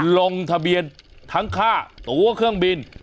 ลงทะเบียนทั้งค่าตัวเครื่องบิน